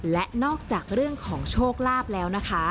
และนอกจากเรื่องของโชคลาภแล้วนะคะ